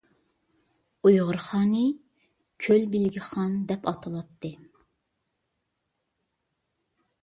ئۇيغۇر خانى «كۆل بىلگە خان» دەپ ئاتىلاتتى.